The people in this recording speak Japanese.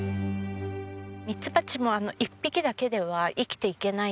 ミツバチも一匹だけでは生きていけないんですよね。